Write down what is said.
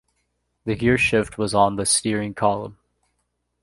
The gearshift was on the steering column.